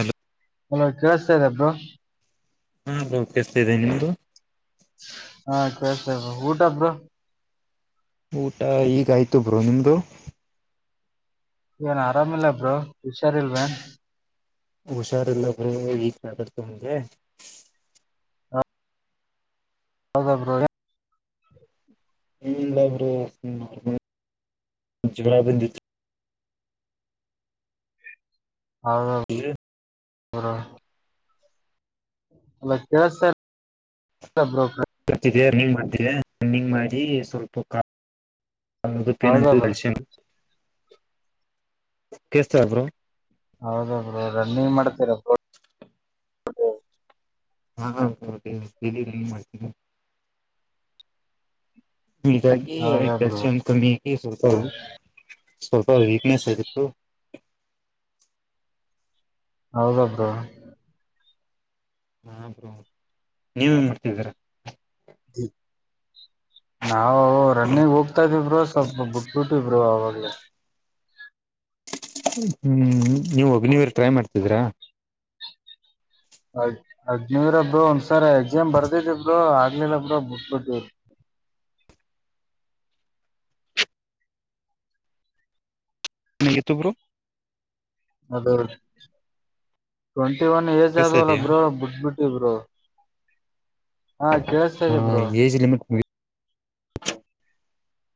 Hello hello ಕವ ಸ ಅಬ್ರೋ ಹಾ ಕೆಸ್ತಾ ಇದ್ದೇನೆ ನಿಮ್ದು ಹಾ ಕಳ್ತ ಊಟಬ್ರು ಊಟ ಈಗ ಆಯ್ತು ಬ್ರೋ ನಿಮ್ದು ಏನ್ ಆರಾಮಿಲ್ಲ ಬ್ರೋ ವಿಚಾರ್ ಇಲ್ವೇನ್ ಹುಷಾರಿಲ್ಲ ಬ್ರೋ ವೀಕ್ ಆಗ ತಮಗೆ ಹೌ ಬ್ರೋ ಏನಿಲ್ಲ ಬ್ರೋ ಜವರ ಬಂದಿತ್ತು ಹೌದ ಅಲ್ಲ ಕೇಳುಸ್ತಿಲ ಬ್ರೋ ಬರ್ತವಿ ರನ್ನಿಂಗ್ ಮಾಡ್ತಿದೆ ರನ್ನಿಂಗ್ ಮಾಡಿ ಸ್ವಲ್ಪ ಹೌದಾ ಪಿನಂಗು ಬ್ರೋ ಕಲ್ಸಿಯಂ ಕಸ್ತಬ್ರು ಹೌದರು ರನ್ನಿಂಗ್ ಮಾಡ್ತೀರ ಹಾ ಹ ಹೇಳ ಮಾಡ್ತೀ ಹೀಗಾಗಿ ಹೌದಾ ಬ್ರೋ ಷ್ಟ ಒನ್ ಕಮ್ಮಿಾಗಿ ಸ್ವಲ್ಪದು ಸ್ವಲ್ಪ ವೀಕ್ನೆಸ್ ಆಗಿತ್ತು ಹೌದಬ್ದ ಹ ಬ್ರ ನೀವೇನ್ ಮಾಡ್ತಿದ್ದೀರ ಹ ನಾವವು ರನ್ನಿಂಗ್ ಹೋಗ್ತಾ ಇದವರು ಸ್ವಲ್ಪ ಬಿಟ್ಬಿಟ್ಟಿವರು ಅವಾಗ ಹ್ಮ್ ನೀವ್ ಒಗ್ನವರ್ ಟ್ರೈ ಮಾಡ್ತಿದಿ್ರಾ ಹದ್ ಹದ್ನರಬ್ರು ಒಂದ್ಸರ್ ಎಕ್ಸಾಮ್ ಬರ್ದಿದಬ್ರು ಆಗ್ಲಿಲ್ಲಬ್್ರ ಬಟ್ಬಿಟ್ಟೇರು ನಿಗೆತ ಬ್ರ ಅದ ಟ್ವೆಂಟಿ ಒನ್ ಏಜ್ ಕೇಳಿಸ್ತಾ ಆದವಲ್ಲ ಇದೆಯಾ ಬ್ರೋ ಬಿಟ್ ಬಿಟ್ಟ ಇಬರು ಹಾ ಹಾ ಕೇೇಳಸ್ತದೆ ಇಬರು ಏಜ್ ಲಿಮಿಟ್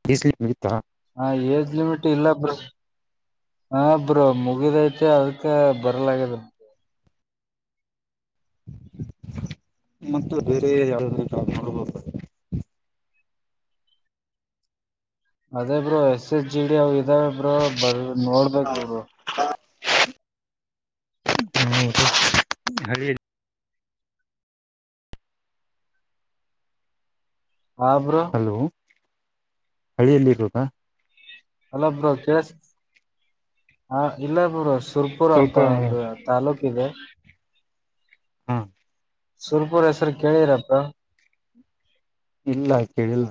ಬಸ್ಲಿ ನಿಗತ್ತ ಹಾ ಏಜ್ ಲಿಮಿಟ್ ಇಲ್ಲ ಬ್ರ ಹ ಬ್ರ ಮುಗಿದೈತೆ ಅದ್ಕ ಬರ್ಲಾಗದ ಮತ್ತೆ ಬೇರೆ ಯಾವ ನೋಡ್ಬ ಅದೇ bro S S G D ಅವ್ ಇದಾವ ಬ್ರೋ ಬ ನೋಡ್ಬೇಕರು ಹ ಆಬ್ರ ಹಲೋ ಹಳ್ಳಿಯಲ್ಲಿ ಕೋಕಾ ಅಲ ಬ್ರೋ ಹ ಇಲ್ಲ ಬ್ರೋ ತುರ್ಪುರ್ ಅಂತ ಸ್ವಲ್ಪ ಒಂದು ತಲ್ಲೂಕ ಇದೆ ಹಾ ಸುರ್ಪುರ್ ಹೆಸರು ಕೇಳಿರಪ್ಪಾ ಇಲ್ಲ ಕೇಳಿಲ್ಲ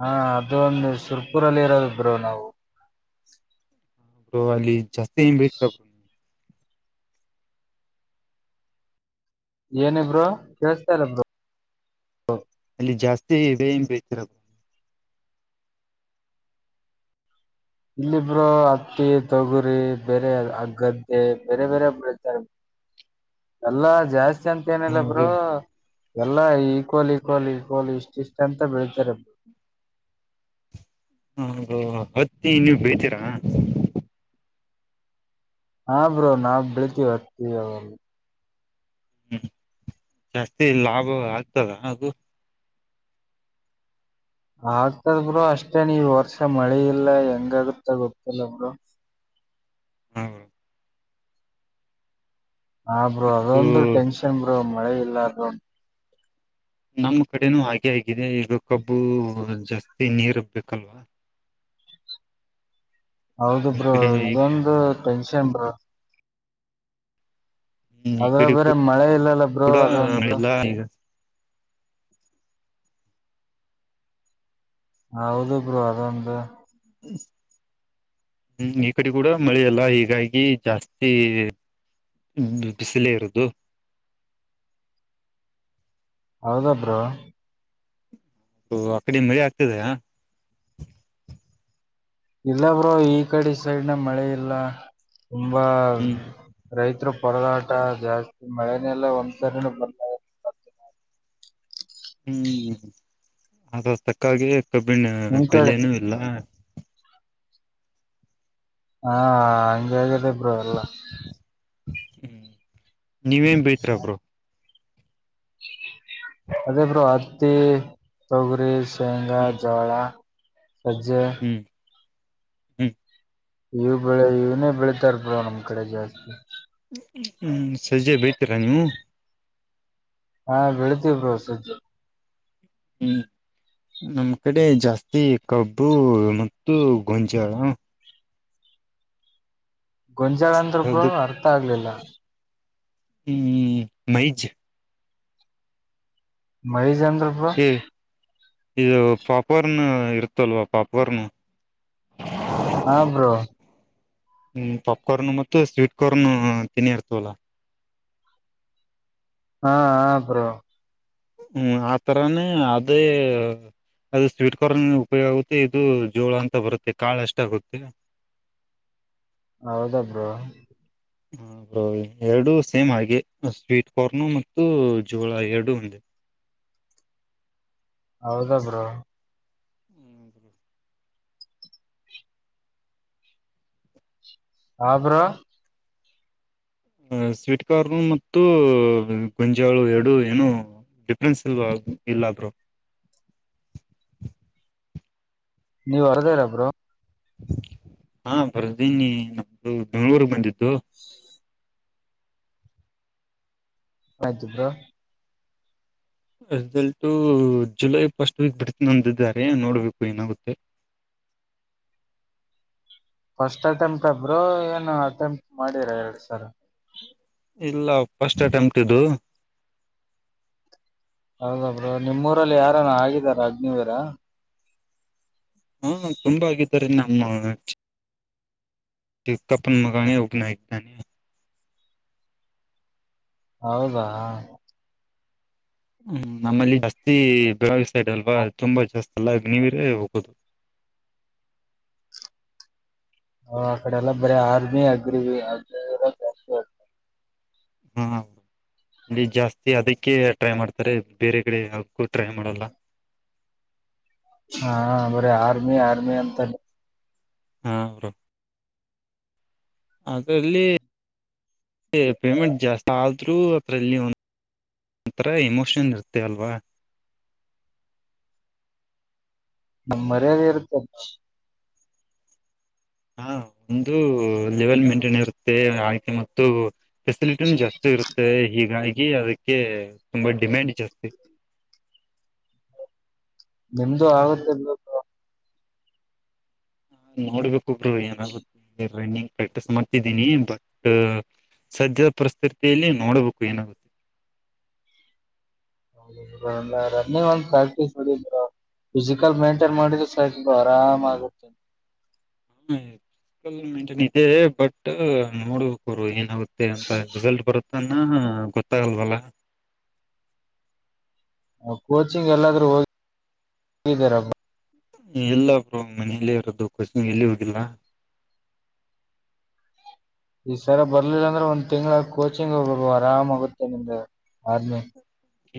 ಹಾ ಅದು ಒಂದು ಸುರ್ಪುರಲ್ಲಿ ಇರೋದರು ನಾವು ಒಬ್ರು ಅಲ್ಲಿ ಜಾಸ್ತಿ ಂಗ್ ಬತರಬ್ರು ನೀ ಏನಬ್ರರು ಕೇೇಳತ ಇಲ್ಲಬ್ರರು ಲ್ಲಿ ಜಾಸ್ತಿ ಬೇ ಬೇತರ ಇಲ್ಲಿಬ್ರು ಹತ್ತಿ ತೊಗುರಿ ಬೇರೆ ಆ ಗದ್ದೆ ಬೇರೆ ಬೇರೆೊಬರು ಇದ್ದಾರೆ ಎಲ್ಲಾ ಜಾಸ್ತಿ ಅಂತ ಏನಿಲ್ಲ ಬ್ರೋ ಹಾ ಎಲ್ಲಾ ಈಕ್ವಲ್ ಈಕ್ವಲ್ ಈಕ್ವಲ್ ಇಷ್ಟ ಇಷ್ಟ ಅಂತ ಬೆಳ್ತಾರೆರು ಹ ಹೊತ್ತಿ ನೀವು ಬೇತೀರಾ ಹ ಬ್ರೋ ನಾವ್ ಬೆಳತಿೀವಿ ಹೊರ್ತೀವಿ ಅವಲ್ಲಿ ಹ್ಮ್ ಜಾಸ್ತಿ ಲಾಭ ಆಗ್ತದ ಹಾಗೂ ಆಗ್ತದ ಬ್ರರು ಅಷ್ಟೇ ನೀವ್ ವರ್ಷ ಮಳೆ ಇಲ್ಲ ಹೆಂಗಗತ್ತ ಗೊತ್ತಿಲ್ಲ ಬರು ಹ್ಮ ಹಾ ಬೂ ಬ್ರೋ ಅದೊಂದು ಟೆನ್ಷನ್ ಬ್ರೂ ಮಳೆ ಇಲ್ಲ ಅ್ರೂ ನಮ್ಮ ಕಡೆನೂ ಹಾಗೆ ಆಗಿದೆ ಈಗ ಕಬ್ಬು ಜಾಸ್ತಿ ನೀರ್ ಹಬ್ಬೇಕಲ್ವಾ ಹೌದು ಈ ಬ್ರೂ ಕಡೆ ಇದೊಂದು ಟೆನ್ಷನ್ ಬ್ರೂ ಹ್ಮ್ ಈ ಅದ್ರ ಕಡೆ ಬೇರೆ ಮಳೆ ಇಲ್ಲಲ್ಲ ಬ್ರೂ ಕೂಡ ಅದೊಂದು ಮಳೆಲ್ಲ ಈಗ ಹೌದು ಬ್ರೋ ಅದೊಂದು ಹ್ಮ್ ಈ ಕಡೆ ಕೂಡ ಮಳೆಲ್ಲ ಹೀಗಾಗಿ ಜಾಸ್ತಿ ್ಮ ಬಿಸಿಲೇ ಇರುದು ಹೌದಬ್ರ ಆ ಕಡೆ ಮರಿ ಆಗ್ತದೆ ಇಲ್ಲ ಬ್ರೋ ಈ ಕಡೆ ಸೈಡ್ನ ಮಳೆ ಇಲ್ಲ ತುಂಬಾ ಹ್ಮ್ ರೈತರು ಪೊರದಾಟ ಜಾಸ್ತಿ ಮಳೆನೆೆಲ್ಲ ಒಂದ್ಸರಿನ ಬರ್ ಹ್ಮ್ ಅದ ತಕ್ಕಾಗ ಕಬ್ಬಿನ ನಿಮ್ ಕಡೆ ಬೆಲನು ಇಲ್ಲ. ಹಾ ಹಂಗಾಗದೆ ಬ್ರೋ ಎಲ್ಲಾ. ಹ್ಮ್ ನೀವೇನ್ ಬೆಳಿತಿರ ಬ್ರೋ? ಅದೇ ಬ್ರೋ ಹತ್ತಿ, ತೊಗರಿ, ಶೇಂಗಾ, ಹ್ಮ್ ಜೋಳ. ಸಜ್ಜೆ ಹ್ಮ ಇವು ಬೆಳಿ ಇವನ್ನೇ ಬೆಳತಾರ ಬ್ರೋ ನಮ್ ಕಡೆ ಜಾಸ್ತಿ. ಹ್ಮ್ ಸಜ್ಜೆ ಬಡ್ತೀರಾ ನೀವು? ಹಾ ಬೆಳತಿೀ್ರೋಸಜ ಹ್ಮ್ ನಮ್ ಕಡೆ ಜಾಸ್ತಿ ಕಬ್ಬು ಮತ್ತು ಗೊಂಜಾಳ ಗೊಂಜಾಳಂದ್ರ ಬ್ರೋ ಅದಕ್ ಅರ್ಥ ಆಗ್ಲಿಲ್ಲ. ಹ್ಮ್ ಮೈಜ್ ಮೈಜ್ ಅಂದ್ರ ಬ್ರೋ ಇದು ಪಾಪಕಾರ್ನ್ ಇರುತ್ತಲ್ವಾ ಪಾಪಕಾರ್ನ್. ಹಾ ಬ್ರೋ ಹ್ಮ ಪಾಪ್ಕಾರ್ನ್ ಮತ್ತು ಸ್ವೀಟ್ ಕಾರ್ರ್ನ್ ತೆನಿ ಇರ್ತವಲ್ಲ. ಹಾ ಹ ಬ್ರೋ. ಹ್ಮ್ ಆ ತರಾನೇ ಅದೇ. ಅದು ಸ್ವೀಟ್ ಕರ್ನ್ ಉಪಯೋಗ ಆಗುತ್ತೆ, ಇದು ಜೋಳ ಅಂತ ಬರುತ್ತೆ ಕಾಳ ಎಷ್ಟಾಗುತ್ತೆ. ಹೌದ ಬ್ರೋ. ಹ ಎರಡು ಸೇಮ್ ಹಾಗೆ ಸ್ವೀಟ್ ಕಾರ್ನ್ ಮತ್ತು ಜೋಳ ಎರಡು ಒಂದ. ಹೌದ ಬ್ರೋ. ಹ ಬ್ರೋ. ಸ್ವೀಟ್ ಕಾರ್ನ್ ಮತ್ತು ಗೊಂಜಾಳು ಎರಡು ಏನು ಡಿಫ್ರೆನ್ಸ್ ಇಲ್ವಾ ಇಲ್ಲಾದ್ರು [unintelligible] ನೀವ್ ಹೊರದೇರ ಬ್ರೋ? ಹಾ ಬರ್ದೀನಿ, ನಮ್ದು ಬೆಂಗಳೂರುಗ್ ಬಂದಿದ್ದು. ಪಾಯತು bro. Result July first week ಬಿಡ್ತ ನಂದಿದ್ದಾರೆ ನೋಡ್ಬೇಕು ಏನಾಗುತ್ತೆ. [unintelligible] ಫಸ್ಟ್ ಅಟೆಂಪ್ಟ್ ಅ ಬ್ರೋ, ಏನು ಅಟೆಂಪ್ಟ್ ಮಾಡಿರ ಎರಡ್ ಸರ? ಇಲ್ಲ ಫಸ್ಟ್ ಅಟೆಂಪ್ಟ್ ಇದು. ಹೌದ ಬ್ರೋ ನಿಮ್ಮ್ ಊರಲ್ಲಿ ಯಾರನ ಆಗಿದಾರ ಅಗ್ನಿವೀರ? ಹಾ ತುಂಬಾ ಆಗಿದಾರೆ ನಮ್ಮ ತಿಕ್ಕಪ್ಪನ್ ಮಗ ನಾಯಕನಿ ಹೌದಾ ಹ್ಮ್ ನಮ್ಮಲ್ಲಿ ಜಾಸ್ತಿ ಬೆಳಗಾವಿ ಸೈಡ್ ಅಲ್ವಾ ತುಂಬಾ ಜಾಸ್ತಿ. ಎಲ್ಲ ನೀವರೆೇ ಹೋಗೋದು ಹ ಆ ಕಡೆ ಎಲ್ಲ ಬರ ಆರ್ಮಿ ಅಗ್ರಿ ಜಾಸ್ತಿ ಆತ. ಹ ಹಾ ಅಲ್ಲಿ ಜಾಸ್ತಿ ಅದಕ್ಕೆ ಟ್ರೈ ಮಾಡ್ತಾರೆ, ಬೇರೆ ಕಡೆ ಯಾವುಕ್ಕೂ ಟ್ರೈ ಮಾಡಲ್ಲ. ಹಾ ಬರೆ ಆರ್ಮಿ ಆರ್ಮಿ ಅಂತ. ಹಾ ಅವ್ರ ಅದ್ರಲ್ಲಿ ಪೇಮೆಂಟ್ ಜಾಸ್ತಿ ಆ ಆದ್ರು ಅದರಲ್ಲಿ ಒ ಒಂಥರ ಎಮೋಷನ್ ಇರುತ್ತೆ ಅಲ್ವಾ. ಹ ಮರ್ಯಾದೆ ಇರುತ್ತೆ. ಹಾ ಒಂದು ಲೆವೆಲ್ ಮೇಂಟೈನ್ ಇರುತ್ತೆ ಆಯ್ಕೆ ಮತ್ತು. ಫೆಸಿಲಿಟಿನ ಜಾಸ್ತಿ ಇರುತ್ತೆ ಹೀಗಾಗಿ ಅದಕ್ಕೆ ತುಂಬಾ ಡಿಮ್ಯಾಂಡ್ ಜಾಸ್ತಿ ಹ ನಿಮ್ದು ಆಗದಲ್ ಹ ನೋಡ್ಬೇಕ ಒಬ್ರು ಏನಾಗುತ್ತೆ ರನ್ನಿಂಗ್ ಪ್ರಾಕ್ಟೀಸ್ ಮಾಡ್ತಿದ್ದೀನಿ ಬಟ್ ಸದ್ಯದ ಪರಿಸ್ಥತಿಯಲ್ಲಿ ನೋಡ್ಬೇಕು ಏನಾಗುತ್ತೆ ಹೌ ರನ್ನಿಂಗ್ ಒಂದ ಪ್ರಾಕ್ಟಿಸಸ್ ಮಾಡರ ಫಿಸಿಕಲ್ ಮೇಂಟೈನ್ ಮಾಡಿದ್ರೆ ಸೈು ಆರಾಮ ಆಗುತ್ತೆ ಹ ಮಟನ್ ಇದೆ ಬಟ್ ನೋಡ್ಬೇಕ ಅವ ಏನಾಗುತ್ತೆ ಮ ಅಂತ ರಿಸಲ್ಟ್ ಬರುತ್ತನ್ನ ಗೊತ್ತಾಗಲ್ವಲ್ಲ. ಕೋಚಿಂಗ್ ಎಲ್ಲಾದ್ರೂ ಹೋಗಿಾರಬ್ಬ ಎಲ್ಲಬ್್ರ ಮನೆಯಲ್ಲೇ ಇರೋದು ಖಸ್ ಎಲ್ಲಿ ಹೋಗಿಲ್ಲ ಈ ಸರ ಬರ್ಲಿಲ್ಲ ಅಂದ್ರೆ ಒಂದ್ ತಿಂಗ್ಳ ಕೋಚಿಂಗ್ ಹೋಗ ಆರಾಮ್ ಆಗುತ್ತೆ ನಿಮ್ದ ಬ್ಮ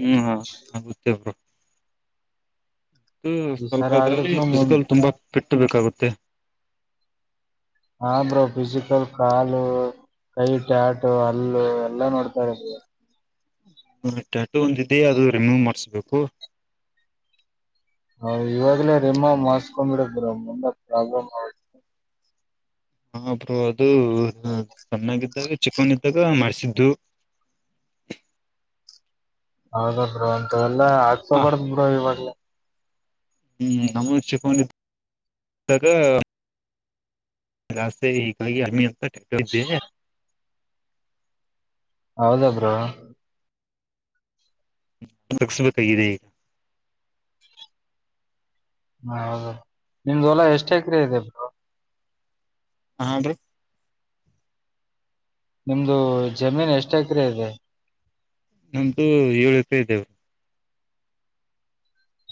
ಹ್ಮ ಆಗುತ್ತೇವರು ಈ ಸ್ವಲ್ಪ ಸರ ಅದ್ರಲ್ಲಿ ಆಗ್ಲಿಕ್ನು ಮುಂದ್ ಫಿಸಿಕಲ್ ತುಂಬಾ ಫಿಟ್ ಬೇಕಾಗುತ್ತೆ ಆದ್ರೂ ಫಿಸಿಕಲ್ ಕಾಲು ಕೈ ಟ್ಯಾ ಆಟು ಹಲ್ಲು ಎಲ್ಲಾ ನೋಡ್ತಾರೆ ನೀ ಟ್ಯಾಟೋ ಒಂದಿದೆ ಅದು ರಿಮೂವ್ ಮಾಡ್ಸ್ಬೇಕು ಹ ಇವಾಗಲೇ ರೇಮ್ಮಾ ಮಾಸ್ಕೊಂಡ್ಬಿಡದ್ರ ಮುಂದ ಪ್ರಾಬ್ಲಮ್ ಆ ಹಪ್ರರು ಅದು ಚ್ಣಾಗಿದ್ದಾಗ ಚಿಕ್ಕನ್ ಇದ್ದಾಗ ಮಾಡಸಿದ್ದು ಹ ಹೌದದ್ರರು ಅಂತ ಎಲ್ಲಾ ಹ ಹಾಕ್ಸೋಬಾರ್ದ್ ಬಿ್ರೋ ಇವಾಗಲ ಹ್ಮ್ ನಮ್ಮ ಚಿಕೊಂಡಾಗ ಜಾಸ್ೆ ಹೀಗಾಗಿ ಅರ್ಮಿ ಅಂತ ಟಕ್ಟ ಇದ್ದೆ ಹೌದಬ್ರ ತಸ ಬತಗ ಹ ಹೌದೌ ನಿಮ್ದ ಹೊಲ ಎಷ್ಟ ಎಕರೆ ಇದೆ ಬೋ ಹನ್ರಿ ನಿಮ್ದು ಜಮೀನ್ ಎಷ್ಟ ಎಕರೆ ಇದೆ ನಮ್ದು ಏಳು ರೂಪಾಯಿ ಇದದೆೇವರು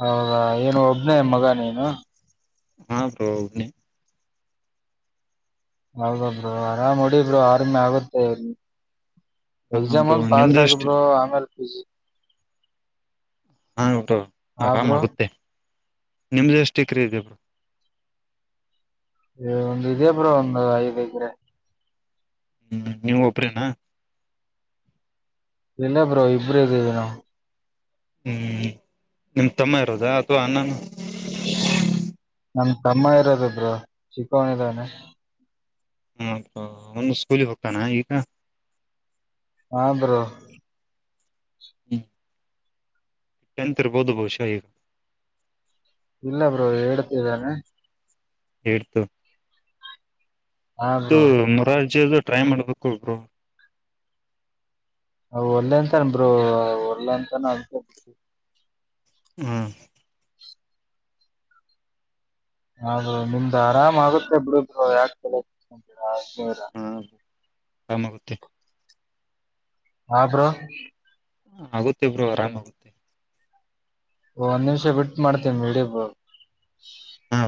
ಹೌದಾ ಏನು ಒಬ್ನೇ ಮಗನೇನು ಹಾ ಪ್ರೌನ ಹೌದಬ್ರು ಆರಾಮ ಹೊಡಿಬ್ಡು ಆರಮಿ ಆಗುತ್ತೆ ಹಾ ಬ್ರೋ ಎಕ್ಸಾಮ ಪಾಸ್ ನಿಮ್ದು ಎಷ್ಟು ಆಗಬ್ರೋ ಆಮೇಲ್ ಪಿಸಿ ಹಾ ಉಟು ಆರಾಮಾಗುತ್ತೆ ನಿಮ್ದ ಎಷ್ಟ ಕ್ರ ಇದೇ ಒಂದ ಇದ್ಯಾ ಬ್ರ ಒಂದು್ ಐದ ಗ್ರೆ ಹ್ಮ್ ನೀವ್ ಒಬ್ರೇನಾ ಇಲ್ಲ ಬೋ ಇಬರು ಇದುನು ಹ್ಮ್ ನಿಮ ತಮ್ಮ ಇರೋದಾ ಅಥವಾ ಅನ್ನಾನ ನಮ ತಮ್ಮ ಇರೋದಬ್ರು ಚಕ್ಕನಿದಾನೆ ಹ ಒಂದು ಸ್ಕೂಲಿ ಹೋಗ್ತಾನ ಈಗ ಹಾ ಬ್ರೋ ಹ್ಮ ಚತ್ರ ಬೌದು ಬಹುಶಗ ಇಲ್ಲ ಬ್ರೋ ಹೇತಿದ್ದಾನೆ ಹೇಳ್ತು ಹಾ ಇ ಬ್ರೋ ನೂರಜಿದು ಟ್ರೈ ಮಾಡ್ಬೇಕು ಒಬ್ರು ಒಳ್ಳೆಂತನ ಬ್ರರು ಒಳ್ಳೆ ಅಂತಾನ ಅ ಹ್ಮ್ ಹಾಗದು ನಿಮ್ದ ಆರಾಮ್ ಆಗುತ್ತೆ ಬಿರುರು ಯಾಕೆರರ ಆಮಗುತ್ತೆ ಹರು ಆಗುತ್ತೆಬ್್ರರು ಆರಾಮಾಗುತ್ತೆ ಒಂದ್ ನಿಮಿಷ ಬಿಟ್ಟ ಮಾಡ್ತೀವಿ ಇಿಡೀ ಹಾ